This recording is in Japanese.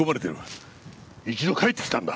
一度帰ってきたんだ。